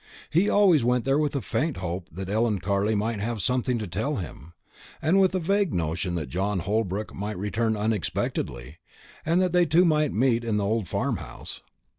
He always went there with a faint hope that Ellen Carley might have something to tell him, and with a vague notion that John Holbrook might return unexpectedly, and that they two might meet in the old farm house.